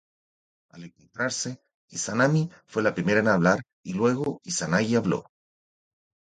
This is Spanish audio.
Al encontrarse, Izanami fue la primera en hablar y luego Izanagi habló.